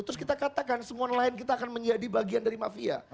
terus kita katakan semua nelayan kita akan menjadi bagian dari mafia